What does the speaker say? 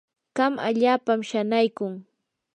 kan allaapam shanaykun.